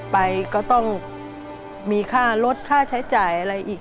ไปก็ต้องมีค่าลดค่าใช้จ่ายอะไรอีก